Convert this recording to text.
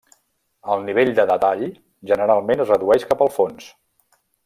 El nivell de detall generalment es redueix cap al fons.